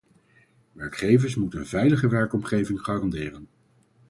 Werkgevers moeten een veilige werkomgeving garanderen.